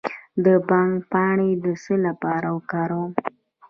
د بنګ پاڼې د څه لپاره وکاروم؟